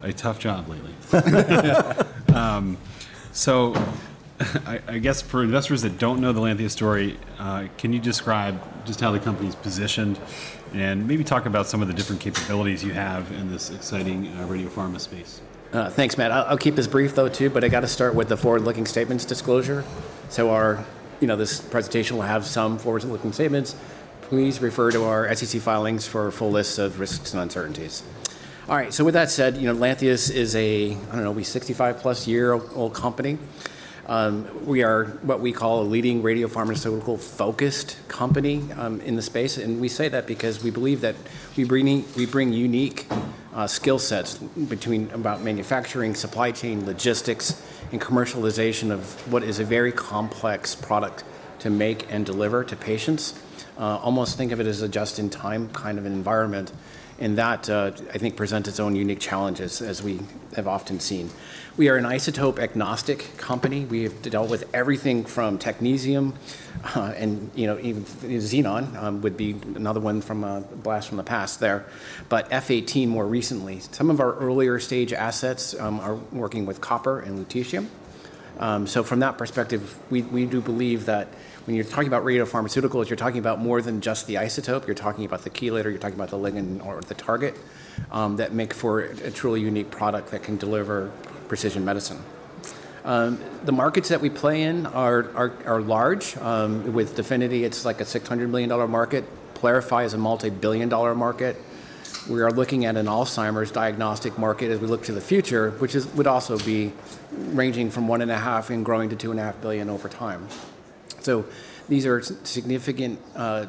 A tough job lately, so I guess for investors that don't know the Lantheus story, can you describe just how the company is positioned and maybe talk about some of the different capabilities you have in this exciting radiopharma space? Thanks, Matt. I'll keep this brief, though too, but I got to start with the forward-looking statements disclosure, so this presentation will have some forward-looking statements. Please refer to our SEC filings for a full list of risks and uncertainties. All right, with that said, Lantheus is a, I don't know, maybe 65+ year-old company. We are what we call a leading radiopharmaceutical-focused company in the space, and we say that because we believe that we bring unique skill sets about manufacturing, supply chain, logistics, and commercialization of what is a very complex product to make and deliver to patients. Almost think of it as a just-in-time kind of environment, and that, I think, presents its own unique challenges, as we have often seen. We are an isotope-agnostic company. We have dealt with everything from technetium and even xenon would be another one from a blast from the past there, but F-18 more recently. Some of our earlier-stage assets are working with copper and lutetium. So from that perspective, we do believe that when you're talking about radiopharmaceuticals, you're talking about more than just the isotope. You're talking about the chelator. You're talking about the ligand or the target that make for a truly unique product that can deliver precision medicine. The markets that we play in are large. With DEFINITY, it's like a $600 million market. PYLARIFY is a multi-billion dollar market. We are looking at an Alzheimer's diagnostic market as we look to the future, which would also be ranging from $1.5 billion and growing to $2.5 billion over time. So these are significant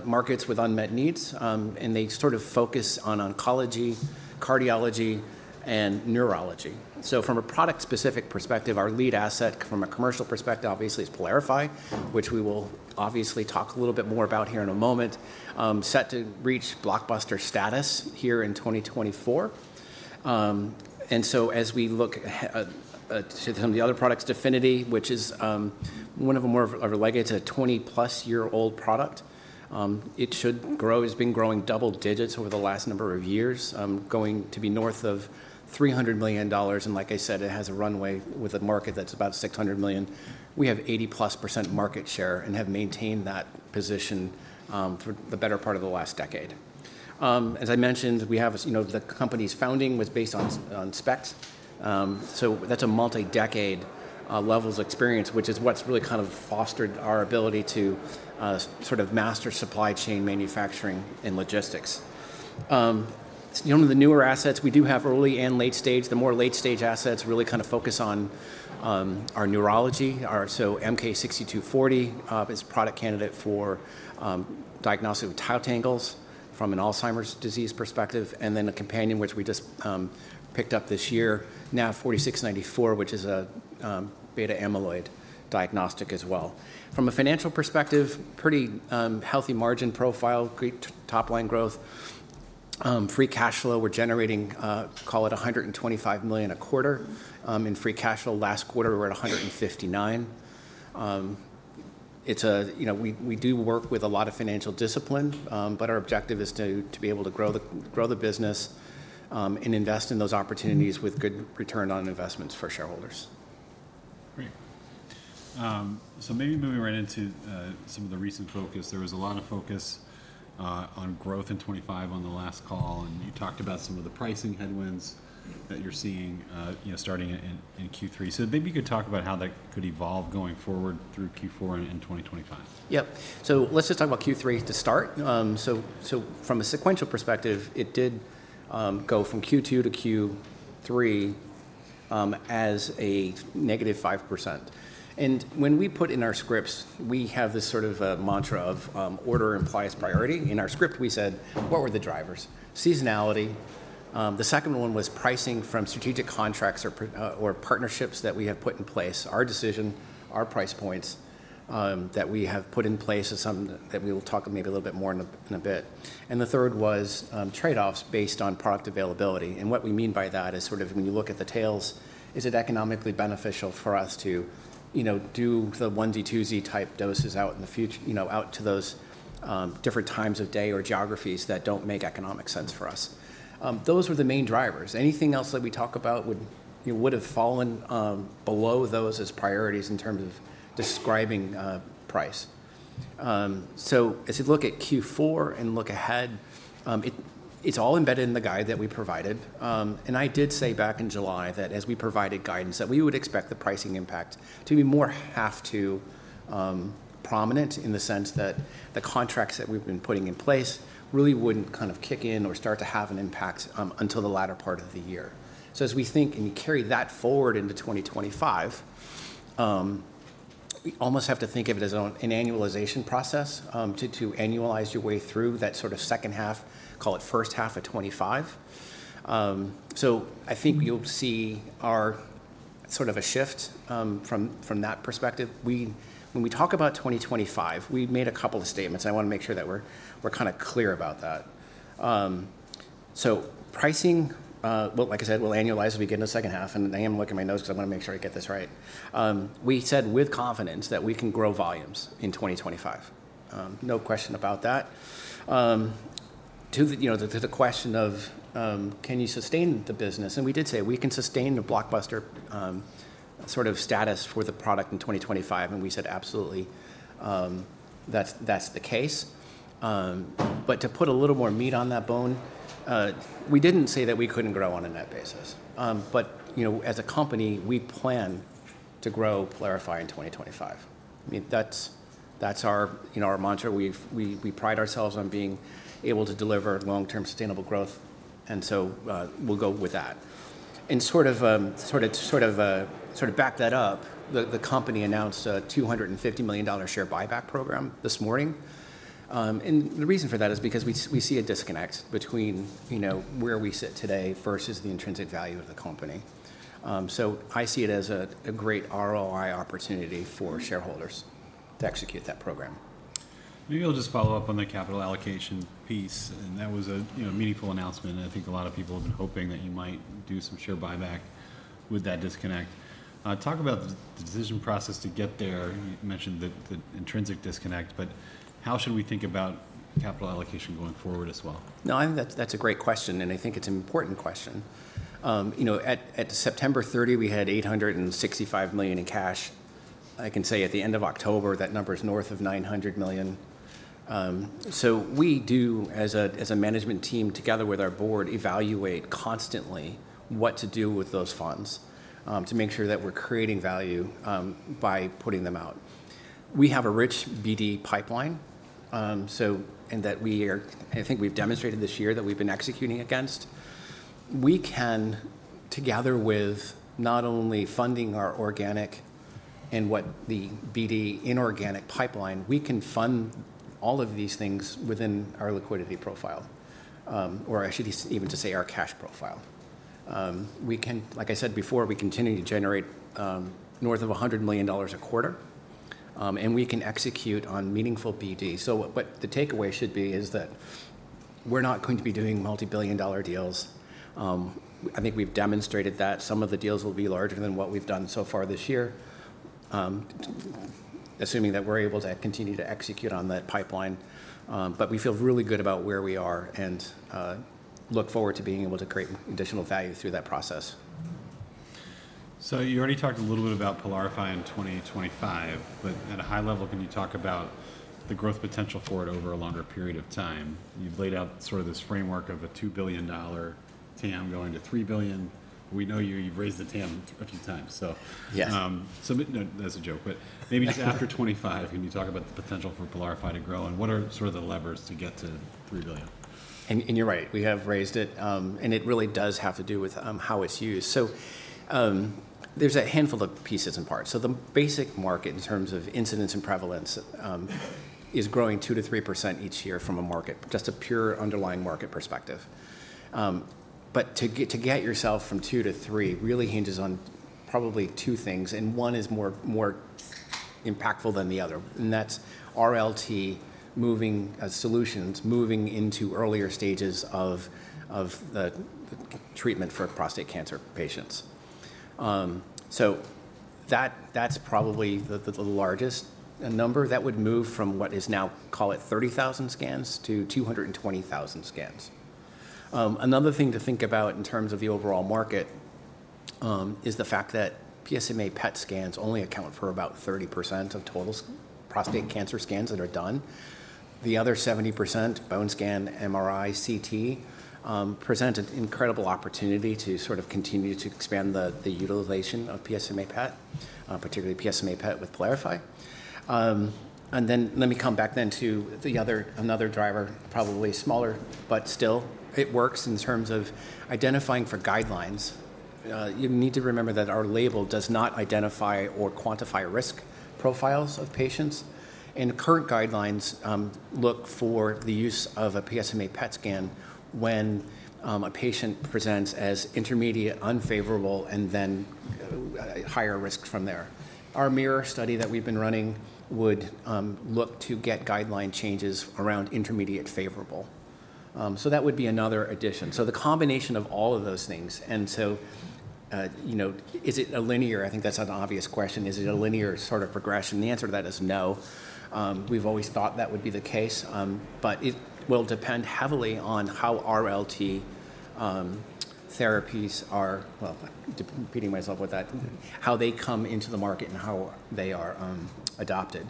markets with unmet needs. They sort of focus on oncology, cardiology, and neurology. So from a product-specific perspective, our lead asset from a commercial perspective, obviously, is PYLARIFY, which we will obviously talk a little bit more about here in a moment, set to reach blockbuster status here in 2024. And so as we look at some of the other products, DEFINITY, which is one of more of our legacy, a 20-plus-year-old product, it should grow. It's been growing double digits over the last number of years, going to be north of $300 million. And like I said, it has a runway with a market that's about $600 million. We have 80+% market share and have maintained that position for the better part of the last decade. As I mentioned, the company's founding was based on SPECT. So that's a multi-decade level of experience, which is what's really kind of fostered our ability to sort of master supply chain manufacturing and logistics. One of the newer assets, we do have early and late stage. The more late-stage assets really kind of focus on our neurology. So MK-6240 is a product candidate for diagnostic with tau tangles from an Alzheimer's disease perspective. And then a companion, which we just picked up this year, NAV-4694, which is a beta-amyloid diagnostic as well. From a financial perspective, pretty healthy margin profile, great top-line growth. Free cash flow, we're generating, call it, $125 million a quarter. In free cash flow, last quarter, we were at $159 million. We do work with a lot of financial discipline, but our objective is to be able to grow the business and invest in those opportunities with good return on investments for shareholders. Great, so maybe moving right into some of the recent focus. There was a lot of focus on growth in 2025 on the last call, and you talked about some of the pricing headwinds that you're seeing starting in Q3, so maybe you could talk about how that could evolve going forward through Q4 and in 2025. Yep. So let's just talk about Q3 to start. So from a sequential perspective, it did go from Q2 to Q3 as a -5%. And when we put in our scripts, we have this sort of mantra of order implies priority. In our script, we said, what were the drivers? Seasonality. The second one was pricing from strategic contracts or partnerships that we have put in place. Our decision, our price points that we have put in place is something that we will talk maybe a little bit more in a bit. And the third was trade-offs based on product availability. And what we mean by that is sort of when you look at the tails, is it economically beneficial for us to do the onesie, twosie type doses out in the future, out to those different times of day or geographies that don't make economic sense for us? Those were the main drivers. Anything else that we talk about would have fallen below those as priorities in terms of describing price. So as you look at Q4 and look ahead, it's all embedded in the guide that we provided, and I did say back in July that as we provided guidance that we would expect the pricing impact to be more heavily prominent in the sense that the contracts that we've been putting in place really wouldn't kind of kick in or start to have an impact until the latter part of the year, so as we think and carry that forward into 2025, we almost have to think of it as an annualization process to annualize your way through that sort of second half, call it first half of 2025, so I think you'll see our sort of a shift from that perspective. When we talk about 2025, we made a couple of statements. I want to make sure that we're kind of clear about that. So pricing, like I said, we'll annualize as we get into the second half. And I am looking at my notes because I want to make sure I get this right. We said with confidence that we can grow volumes in 2025. No question about that. To the question of can you sustain the business, and we did say we can sustain the blockbuster sort of status for the product in 2025. And we said, absolutely, that's the case. But to put a little more meat on that bone, we didn't say that we couldn't grow on a net basis. But as a company, we plan to grow PYLARIFY in 2025. I mean, that's our mantra. We pride ourselves on being able to deliver long-term sustainable growth. And so we'll go with that. And sort of back that up, the company announced a $250 million share buyback program this morning. And the reason for that is because we see a disconnect between where we sit today versus the intrinsic value of the company. So I see it as a great ROI opportunity for shareholders to execute that program. Maybe I'll just follow up on the capital allocation piece. And that was a meaningful announcement. I think a lot of people have been hoping that you might do some share buyback with that disconnect. Talk about the decision process to get there. You mentioned the intrinsic disconnect. But how should we think about capital allocation going forward as well? No, I think that's a great question and I think it's an important question. At September 30, we had $865 million in cash. I can say at the end of October, that number is north of $900 million, so we do, as a management team together with our board, evaluate constantly what to do with those funds to make sure that we're creating value by putting them out. We have a rich BD pipeline and that I think we've demonstrated this year that we've been executing against. We can, together with not only funding our organic and what the BD inorganic pipeline, we can fund all of these things within our liquidity profile, or I should even just say our cash profile. We can, like I said before, we continue to generate north of $100 million a quarter, and we can execute on meaningful BD. The takeaway should be that we're not going to be doing multi-billion dollar deals. I think we've demonstrated that some of the deals will be larger than what we've done so far this year, assuming that we're able to continue to execute on that pipeline. We feel really good about where we are and look forward to being able to create additional value through that process. So you already talked a little bit about PYLARIFY in 2025. But at a high level, can you talk about the growth potential for it over a longer period of time? You've laid out sort of this framework of a $2 billion TAM going to $3 billion. We know you've raised the TAM a few times. So that's a joke. But maybe just after 2025, can you talk about the potential for PYLARIFY to grow? And what are sort of the levers to get to $3 billion? You're right. We have raised it. And it really does have to do with how it's used. So there's a handful of pieces and parts. So the basic market in terms of incidence and prevalence is growing 2%-3% each year from a market, just a pure underlying market perspective. But to get yourself from 2%-3% really hinges on probably two things. And one is more impactful than the other. And that's RLT moving solutions moving into earlier stages of the treatment for prostate cancer patients. So that's probably the largest number. That would move from what is now, call it, 30,000 scans to 220,000 scans. Another thing to think about in terms of the overall market is the fact that PSMA PET scans only account for about 30% of total prostate cancer scans that are done. The other 70%, bone scan, MRI, CT, present an incredible opportunity to sort of continue to expand the utilization of PSMA PET, particularly PSMA PET with PYLARIFY, and then let me come back then to another driver, probably smaller, but still it works in terms of identifying for guidelines. You need to remember that our label does not identify or quantify risk profiles of patients, and current guidelines look for the use of a PSMA PET scan when a patient presents as intermediate, unfavorable, and then higher risk from there. Our mirror study that we've been running would look to get guideline changes around intermediate favorable, so that would be another addition, so the combination of all of those things, and so is it a linear? I think that's an obvious question. Is it a linear sort of progression? The answer to that is no. We've always thought that would be the case. But it will depend heavily on how RLT therapies are, well, repeating myself with that, how they come into the market and how they are adopted.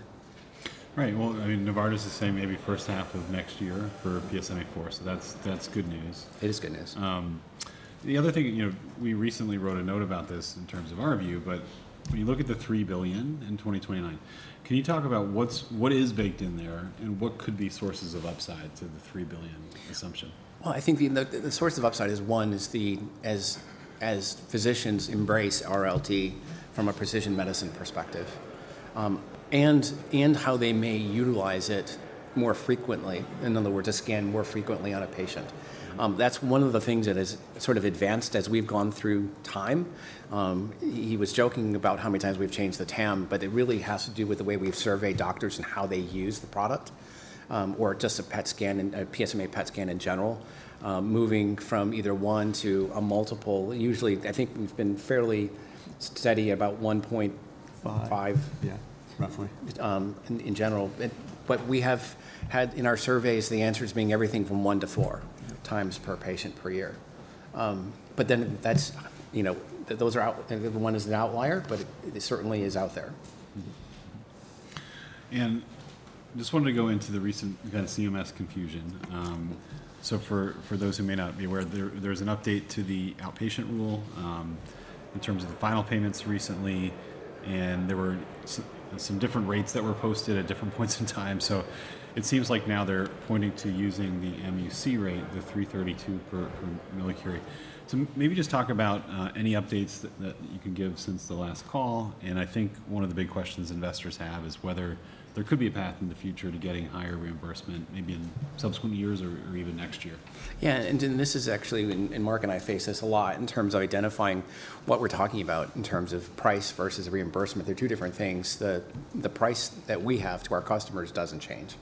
Right. Well, I mean, Novartis is saying maybe first half of next year for PSMAfore. So that's good news. It is good news. The other thing, we recently wrote a note about this in terms of our view, but when you look at the $3 billion in 2029, can you talk about what is baked in there and what could be sources of upside to the $3 billion assumption? I think the source of upside is, one, as physicians embrace RLT from a precision medicine perspective and how they may utilize it more frequently. In other words, a scan more frequently on a patient. That's one of the things that has sort of advanced as we've gone through time. He was joking about how many times we've changed the TAM, but it really has to do with the way we've surveyed doctors and how they use the product or just a PET scan and a PSMA PET scan in general, moving from either one to a multiple. Usually, I think we've been fairly steady about 1.5. Yeah, roughly. In general. But we have had in our surveys, the answer is being everything from one to four times per patient per year. But then those are out. The one is an outlier, but it certainly is out there. I just wanted to go into the recent kind of CMS confusion. So for those who may not be aware, there's an update to the outpatient rule in terms of the final payments recently. And there were some different rates that were posted at different points in time. So it seems like now they're pointing to using the MUC rate, the $332 per millicurie. So maybe just talk about any updates that you can give since the last call. And I think one of the big questions investors have is whether there could be a path in the future to getting higher reimbursement maybe in subsequent years or even next year. Yeah. And this is actually, and Mark and I face this a lot in terms of identifying what we're talking about in terms of price versus reimbursement. They're two different things. The price that we have to our customers doesn't change.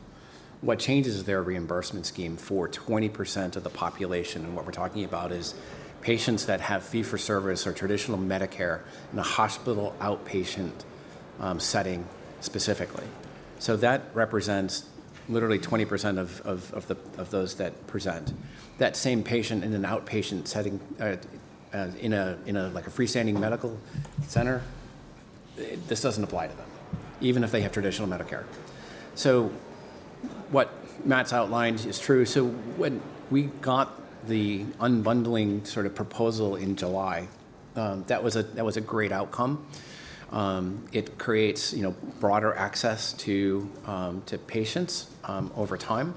What changes is their reimbursement scheme for 20% of the population. And what we're talking about is patients that have fee-for-service or traditional Medicare in a hospital outpatient setting specifically. So that represents literally 20% of those that present. That same patient in an outpatient setting in a freestanding medical center, this doesn't apply to them, even if they have traditional Medicare. So what Matt's outlined is true. So when we got the unbundling sort of proposal in July, that was a great outcome. It creates broader access to patients over time.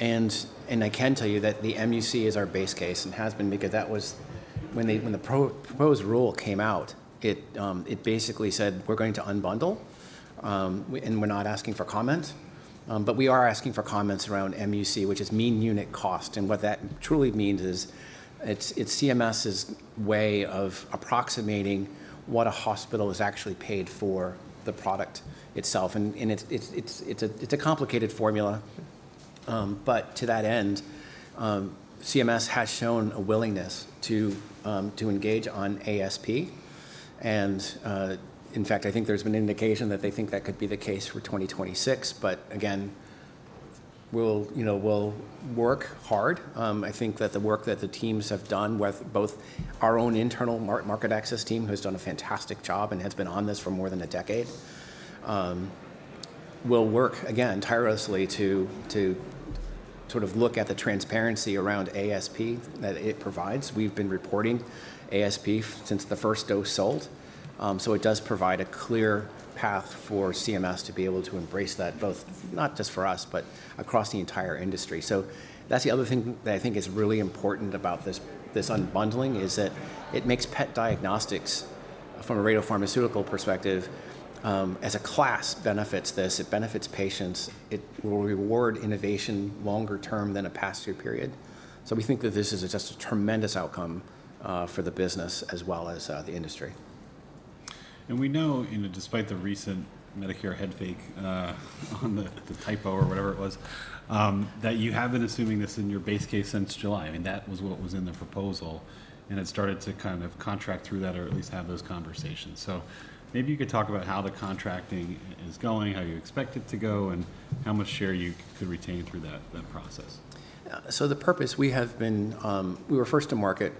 And I can tell you that the MUC is our base case and has been because that was when the proposed rule came out. It basically said, "We're going to unbundle and we're not asking for comments." But we are asking for comments around MUC, which is mean unit cost. And what that truly means is it's CMS's way of approximating what a hospital is actually paid for the product itself. And it's a complicated formula. But to that end, CMS has shown a willingness to engage on ASP. And in fact, I think there's been an indication that they think that could be the case for 2026. But again, we'll work hard. I think that the work that the teams have done with both our own internal market access team, who has done a fantastic job and has been on this for more than a decade, will work again tirelessly to sort of look at the transparency around ASP that it provides. We've been reporting ASP since the first dose sold. So it does provide a clear path for CMS to be able to embrace that, both not just for us, but across the entire industry. So that's the other thing that I think is really important about this unbundling is that it makes PET diagnostics from a radiopharmaceutical perspective as a class benefits this. It benefits patients. It will reward innovation longer term than a past year period. So we think that this is just a tremendous outcome for the business as well as the industry. We know, despite the recent Medicare head fake on the typo or whatever it was, that you have been assuming this in your base case since July. I mean, that was what was in the proposal. It started to kind of contract through that or at least have those conversations. Maybe you could talk about how the contracting is going, how you expect it to go, and how much share you could retain through that process. So the purpose we have been, we were first to market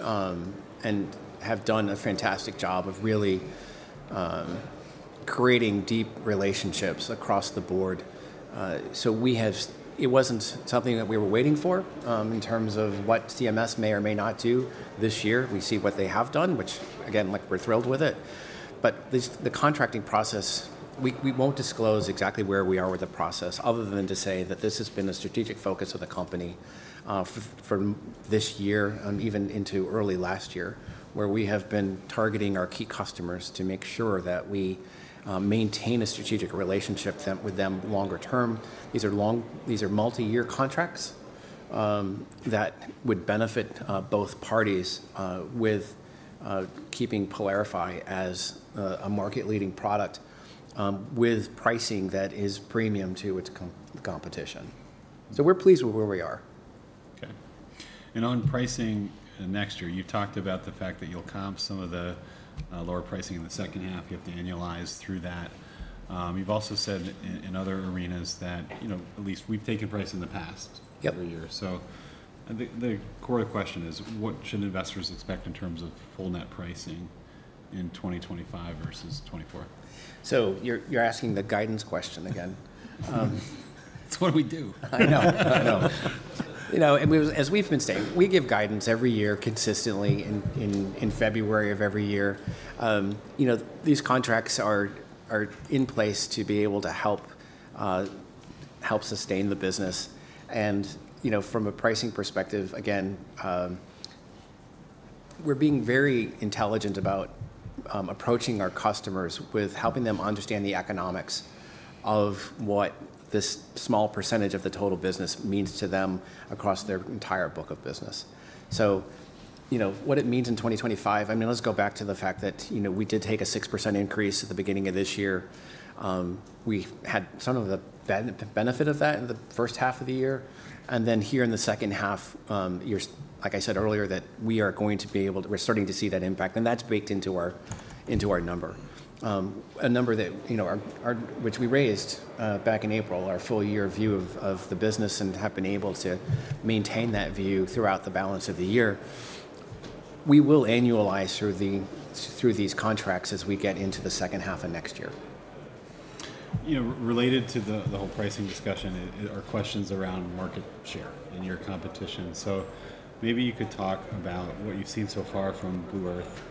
and have done a fantastic job of really creating deep relationships across the board. So it wasn't something that we were waiting for in terms of what CMS may or may not do this year. We see what they have done, which again, we're thrilled with it. But the contracting process, we won't disclose exactly where we are with the process other than to say that this has been a strategic focus of the company for this year and even into early last year, where we have been targeting our key customers to make sure that we maintain a strategic relationship with them longer term. These are multi-year contracts that would benefit both parties with keeping PYLARIFY as a market-leading product with pricing that is premium to its competition. So we're pleased with where we are. Okay. And on pricing next year, you've talked about the fact that you'll comp some of the lower pricing in the second half. You have to annualize through that. You've also said in other arenas that at least we've taken price in the past every year. So the core question is, what should investors expect in terms of full net pricing in 2025 versus 2024? So you're asking the guidance question again. It's what we do. I know. I know. And as we've been saying, we give guidance every year consistently in February of every year. These contracts are in place to be able to help sustain the business. And from a pricing perspective, again, we're being very intelligent about approaching our customers with helping them understand the economics of what this small percentage of the total business means to them across their entire book of business. So what it means in 2025, I mean, let's go back to the fact that we did take a 6% increase at the beginning of this year. We had some of the benefit of that in the first half of the year. And then here in the second half, like I said earlier, that we are going to be able to, we're starting to see that impact. That's baked into our number, a number which we raised back in April, our full year view of the business and have been able to maintain that view throughout the balance of the year. We will annualize through these contracts as we get into the second half of next year. Related to the whole pricing discussion, there are questions around market share in your competition. So maybe you could talk about what you've seen so far from Blue Earth.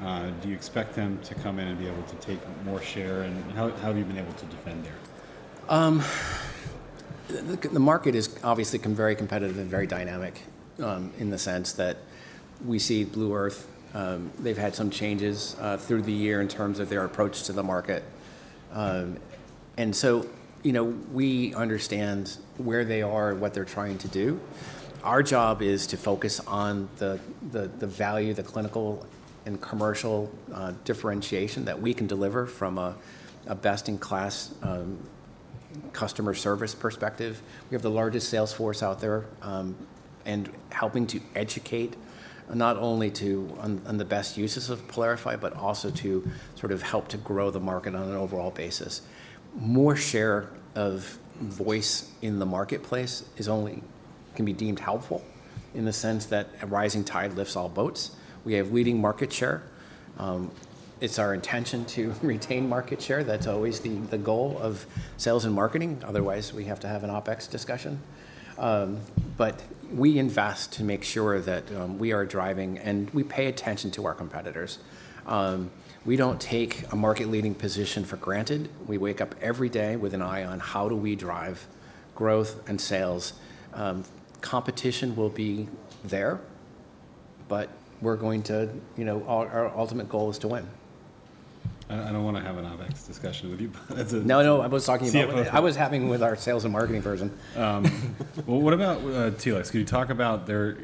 Do you expect them to come in and be able to take more share? And how have you been able to defend there? The market has obviously been very competitive and very dynamic in the sense that we see Blue Earth. They've had some changes through the year in terms of their approach to the market, and so we understand where they are and what they're trying to do. Our job is to focus on the value, the clinical and commercial differentiation that we can deliver from a best-in-class customer service perspective. We have the largest sales force out there, and helping to educate not only on the best uses of PYLARIFY, but also to sort of help to grow the market on an overall basis. More share of voice in the marketplace can be deemed helpful in the sense that a rising tide lifts all boats. We have leading market share. It's our intention to retain market share. That's always the goal of sales and marketing. Otherwise, we have to have an OpEx discussion. But we invest to make sure that we are driving and we pay attention to our competitors. We don't take a market-leading position for granted. We wake up every day with an eye on how do we drive growth and sales. Competition will be there, but we're going to. Our ultimate goal is to win. I don't want to have an OpEx discussion with you. No, no. I was talking about, I was having with our sales and marketing division. What about Telix? Can you talk about their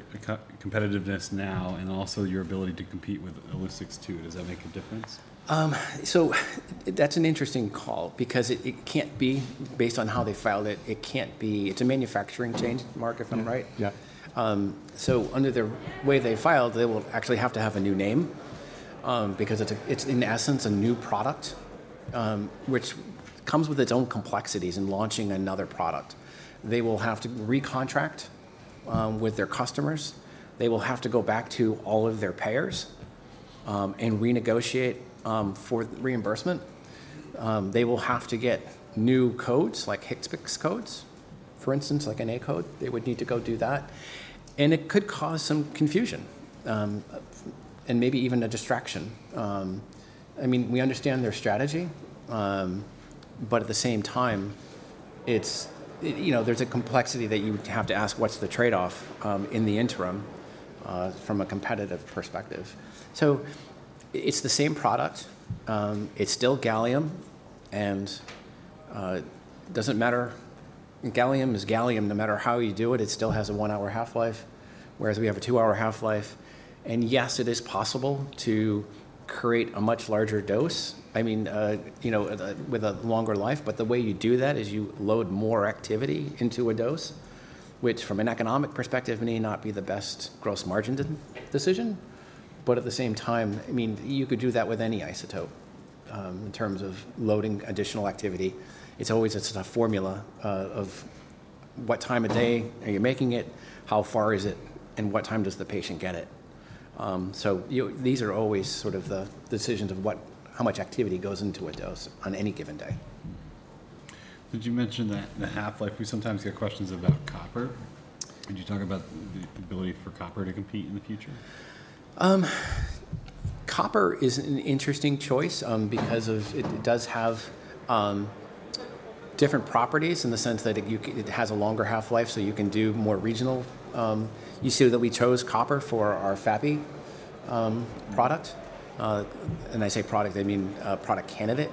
competitiveness now and also your ability to compete with Illuccix too? Does that make a difference? So that's an interesting call because it can't be based on how they filed it. It can't be. It's a manufacturing change, Mark, if I'm right. Yeah. So, under the way they filed, they will actually have to have a new name because it's in essence a new product, which comes with its own complexities in launching another product. They will have to recontract with their customers. They will have to go back to all of their payers and renegotiate for reimbursement. They will have to get new codes like HCPCS codes, for instance, like an A code. They would need to go do that. And it could cause some confusion and maybe even a distraction. I mean, we understand their strategy, but at the same time, there's a complexity that you would have to ask, what's the trade-off in the interim from a competitive perspective. So it's the same product. It's still gallium and doesn't matter. Gallium is gallium. No matter how you do it, it still has a one-hour half-life, whereas we have a two-hour half-life. And yes, it is possible to create a much larger dose, I mean, with a longer life. But the way you do that is you load more activity into a dose, which from an economic perspective may not be the best gross margin decision. But at the same time, I mean, you could do that with any isotope in terms of loading additional activity. It's always a formula of what time of day are you making it, how far is it, and what time does the patient get it? So these are always sort of the decisions of how much activity goes into a dose on any given day. Did you mention that in the half-life, we sometimes get questions about copper? Could you talk about the ability for copper to compete in the future? Copper is an interesting choice because it does have different properties in the sense that it has a longer half-life, so you can do more regional. You see that we chose copper for our FAPI product. And I say product, I mean product candidate.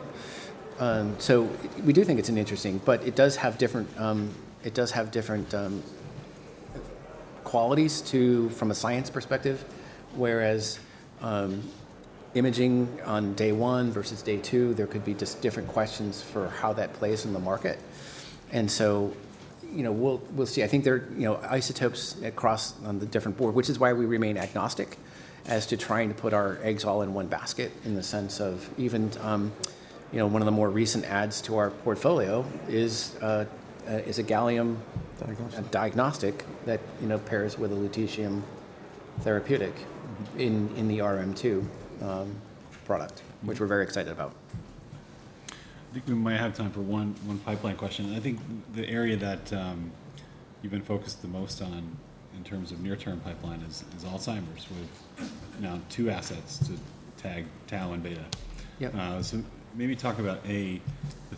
So we do think it's interesting, but it does have different qualities from a science perspective, whereas imaging on day one versus day two, there could be just different questions for how that plays in the market. And so we'll see. I think there are isotopes across the board, which is why we remain agnostic as to trying to put our eggs all in one basket in the sense of even one of the more recent adds to our portfolio is a gallium diagnostic that pairs with a lutetium therapeutic in the RM2 product, which we're very excited about. I think we might have time for one pipeline question. I think the area that you've been focused the most on in terms of near-term pipeline is Alzheimer's with now two assets to tag tau and beta. So maybe talk about the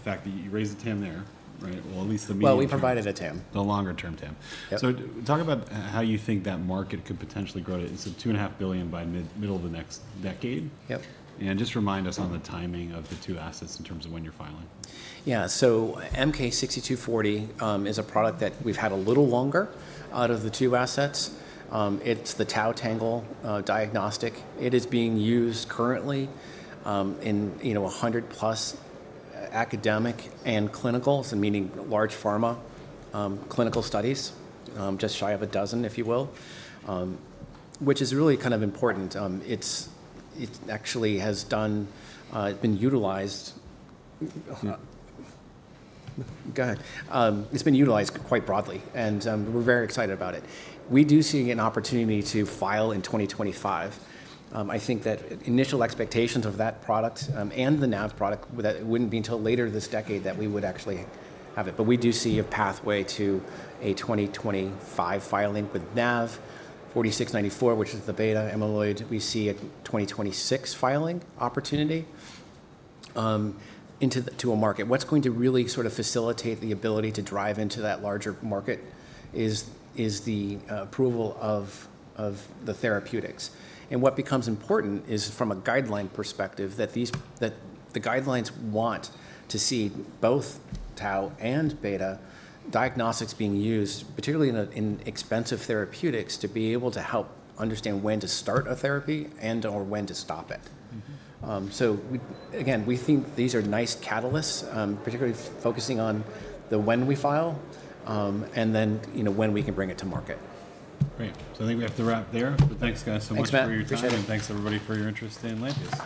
fact that you raised a TAM there, right? Well, at least the mean-. We provided a TAM. The longer-term TAM. So talk about how you think that market could potentially grow to. It's a $2.5 billion by middle of the next decade. And just remind us on the timing of the two assets in terms of when you're filing. Yeah. So MK-6240 is a product that we've had a little longer out of the two assets. It's the tau tangle diagnostic. It is being used currently in 100+ academic and clinical, so meaning large pharma clinical studies, just shy of a dozen, if you will, which is really kind of important. It actually has done, it's been utilized. Go ahead. It's been utilized quite broadly. And we're very excited about it. We do see an opportunity to file in 2025. I think that initial expectations of that product and the NAV product, that it wouldn't be until later this decade that we would actually have it. But we do see a pathway to a 2025 filing with NAV-4694, which is the beta-amyloid. We see a 2026 filing opportunity into a market. What's going to really sort of facilitate the ability to drive into that larger market is the approval of the therapeutics, and what becomes important is from a guideline perspective that the guidelines want to see both tau and beta diagnostics being used, particularly in expensive therapeutics to be able to help understand when to start a therapy and/or when to stop it, so again, we think these are nice catalysts, particularly focusing on the when we file and then when we can bring it to market. Great. So I think we have to wrap there. But thanks, guys, so much for your time. Thanks Matt. Thanks, everybody, for your interest in Lantheus.